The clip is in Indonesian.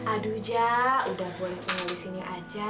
aduh jah udah boleh pulang disini aja